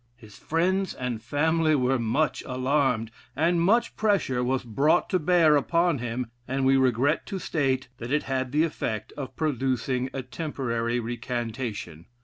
His friends and family were much alarmed, and much pressure was brought to bear upon him, and we regret to state that it had the effect of producing a temporary recantation.